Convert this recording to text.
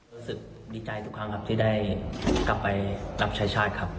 รู้สึกดีใจทุกครั้งครับที่ได้กลับไปรับชายชาติครับ